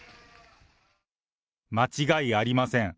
間違いありません。